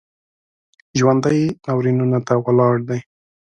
ژوندي ناورینونو ته ولاړ دي